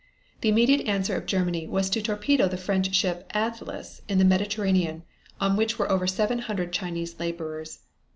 The immediate answer of Germany was to torpedo the French ship Atlas in the Mediterranean on which were over seven hundred Chinese laborers.